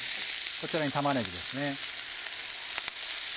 こちらに玉ねぎですね。